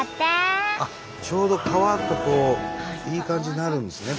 ちょうど川とこういい感じになるんですね。